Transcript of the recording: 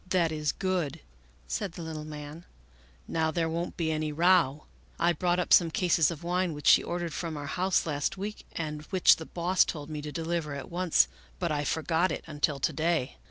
" That is good," said the little man, " now there won't be any row. I brought up some cases of wine which she ordered from our house last week and which the Boss told me to deliver at once, but I forgot it until to day.